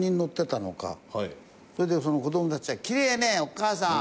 それでその子供たちが「きれいね！お母さん」